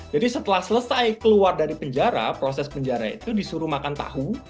jadi setelah selesai keluar dari penjara proses penjara itu disuruh makan tahu